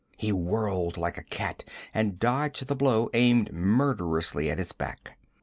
He whirled like a cat and dodged the blow aimed murderously at his back.